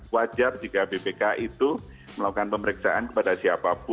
wajar jika bpk itu melakukan pemeriksaan kepada siapapun